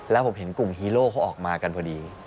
แล้วผมเห็นกลุ่มฮีโร่เขาออกมากันพอดี